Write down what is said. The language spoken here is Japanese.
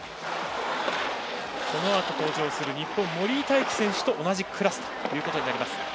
このあと登場する日本の森井大輝選手と同じクラスということになります。